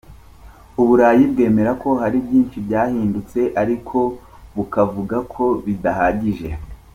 Uburayi bwemera ko hari byinshi byahindutse ariko bukavuga ko bidahagije.